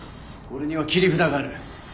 俺には切り札がある。